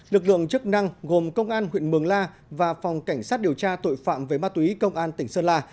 lực lượng chức năng gồm công an huyện mường la và phòng cảnh sát điều tra tội phạm về ma túy công an tỉnh sơn la